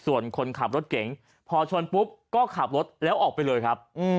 ส่วนคนขับรถเก๋งพอชนปุ๊บก็ขับรถแล้วออกไปเลยครับ